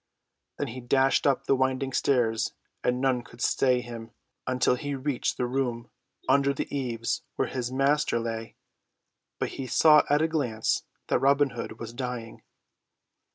Then he dashed up the winding stairs and none could stay him until he reached the room under the eaves where his master lay. But he saw at a glance that Robin Hood was dying.